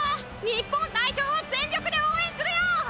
日本代表を全力で応援するよ！